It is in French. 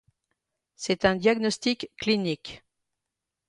C'est un diagnostic clinique.